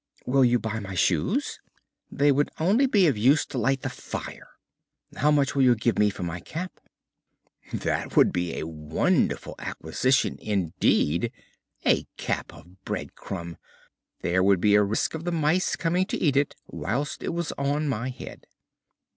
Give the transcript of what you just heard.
"Will you buy my shoes?" "They would only be of use to light the fire." "How much will you give me for my cap?" "That would be a wonderful acquisition indeed! A cap of bread crumb! There would be a risk of the mice coming to eat it whilst it was on my head."